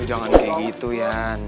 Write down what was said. lu jangan kayak gitu yan